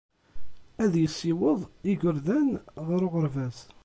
Ad yessiweḍ igerdan ɣer uɣerbaz.